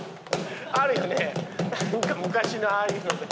あるよねなんか昔のああいうので。